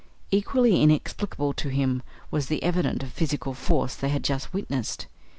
Equally inexplicable to him was the evidence of physical force they had just witnessed.